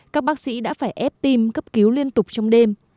các bác sĩ đã phải ép tim cấp cứu liên tục trong đêm